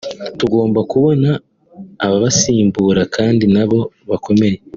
tugomba kubona ababasimbura kandi nabo bakomeye